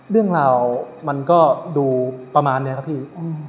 เรื่องราวมันก็ดูประมาณนี้ครับพี่